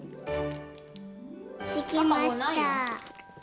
できました！